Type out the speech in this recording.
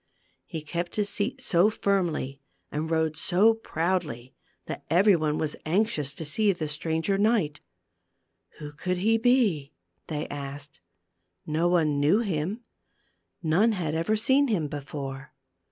He kept his seat so firmly and rode so proudly that every one was anxious to see the stranger knight. Who could he be ? they asked. Ho one knew him ; none had ever seen him before.